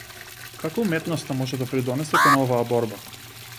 Како уметноста може да придонесе кон оваа борба?